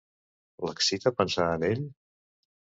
L'excita pensar en ell?